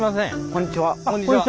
こんにちは。